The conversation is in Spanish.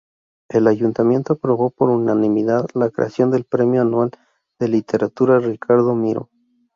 El ayuntamiento aprobó por unanimidad la creación del Premio Anual de Literatura Ricardo Miró.